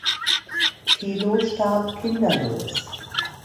Hilo starb kinderlos.